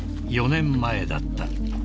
［４年前だった］